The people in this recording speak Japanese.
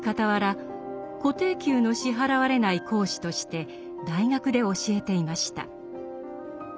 固定給の支払われない講師として大学で教えていました。